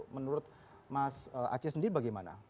menurut mas aceh sendiri bagaimana